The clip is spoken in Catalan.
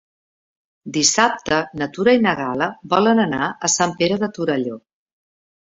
Dissabte na Tura i na Gal·la volen anar a Sant Pere de Torelló.